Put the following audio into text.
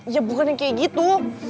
ya bukannya kayak gitu